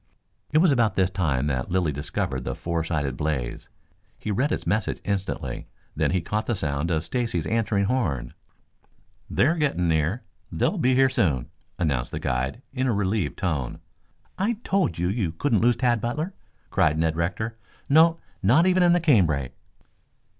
It was about this time that Lilly discovered the four sided blaze. He read its message instantly. Then he caught the sound of Stacy's answering horn. "They are getting near. They will be here soon," announced the guide in a relieved tone. "I told you, you couldn't lose Tad Butler," cried Ned Rector. "No, not even in the canebrake."